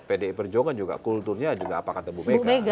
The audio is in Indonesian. pdi perjuangan juga kulturnya juga apa kata bu mega